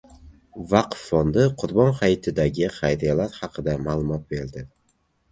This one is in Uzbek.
"Vaqf" fondi Qurbon hayitidagi xayriyalar haqida ma’lumot berdi